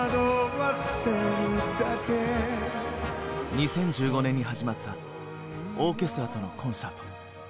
２０１５年に始まったオーケストラとのコンサート。